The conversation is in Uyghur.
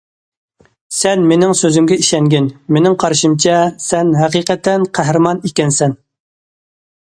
سەن مېنىڭ سۆزۈمگە ئىشەنگىن، مېنىڭ قارىشىمچە، سەن ھەقىقەتەن قەھرىمان ئىكەنسەن.